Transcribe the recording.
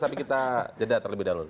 tapi kita jeda terlebih dahulu